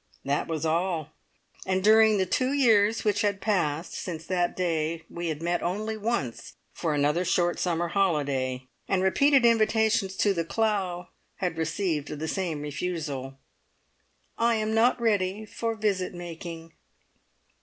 That was all, and during the two years which had passed since that day we had met only once, for another short summer holiday, and repeated invitations to The Clough had received the same refusal "I am not ready for visit making."